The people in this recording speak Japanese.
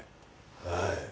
はい。